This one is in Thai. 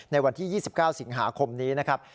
ในวันที่๒๙สิงหาคมนี้นะครับ